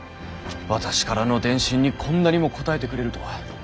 私からの電信にこんなにも応えてくれるとは。